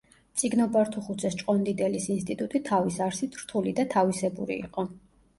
მწიგნობართუხუცეს-ჭყონდიდელის ინსტიტუტი თავის არსით რთული და თავისებური იყო.